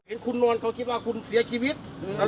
เห็นคุณนอนเขาคิดว่าคุณเสียชีวิต